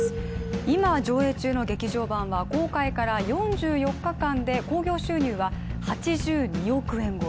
今、上映中の劇場版は公開から４４日間で興行収入は８２億円超え。